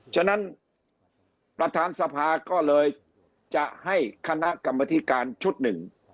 ฉะนั้นประธานสภาก็เลยจะให้คณะกรรมธิการชุดหนึ่ง